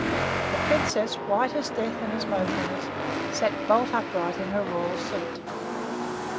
The Princess, white as death and as motionless, sat bolt upright in her royal seat.